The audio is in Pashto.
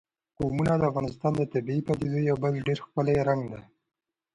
قومونه د افغانستان د طبیعي پدیدو یو بل ډېر ښکلی رنګ دی.